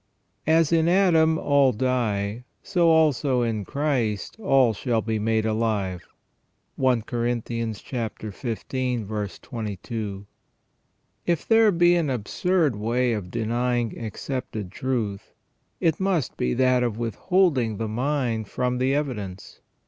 "As in Adam all die, so also in Christ all shall be made alive." — I Corinthians xv. 22. IF there be an absurd way of denying accepted truth, it must be that of withholding the mind from the evidence.